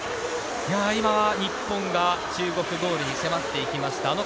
今は日本が中国ゴールに迫っていきました。